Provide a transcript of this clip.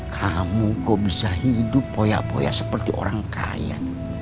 kamu kok bisa hidup poya poya seperti orang kaya